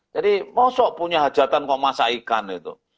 jadi masuk punya hajatan kok masak ikan itu